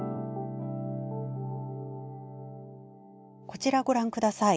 こちらご覧下さい。